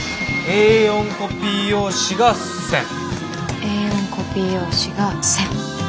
Ａ４コピー用紙が１，０００。